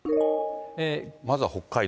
まずは北海道。